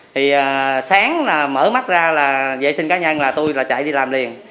thì sáng mở mắt ra là vệ sinh cá nhân là tôi là chạy đi làm liền